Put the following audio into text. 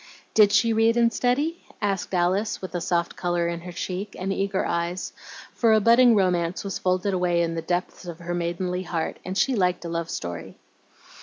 "Did she read and study?" asked Alice, with a soft color in her cheek, and eager eyes, for a budding romance was folded away in the depths of her maidenly heart, and she liked a love story.